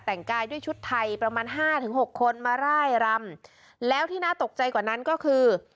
แต่งกายด้วยชุดไทยประมาณห้าถึงหกคนมาร่ายรำแล้วที่น่าตกใจกว่านั้นก็คือ